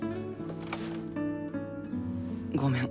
ごめん。